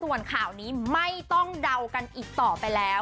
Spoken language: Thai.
ส่วนข่าวนี้ไม่ต้องเดากันอีกต่อไปแล้ว